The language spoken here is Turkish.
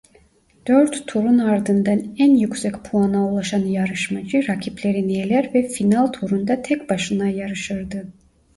Dört turun ardından en yüksek puana ulaşan yarışmacı rakiplerini eler ve final turunda tek başına yarışırdı.